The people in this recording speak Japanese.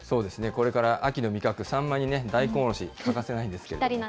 これから秋の味覚、サンマに大根おろし、欠かせないんですけれども。